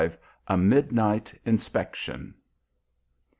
A MIDNIGHT INSPECTION.